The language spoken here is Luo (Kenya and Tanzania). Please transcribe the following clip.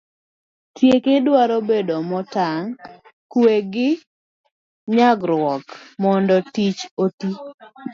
tieke dwaro bedo motang' ,kwe gi nyagruok mondo tich te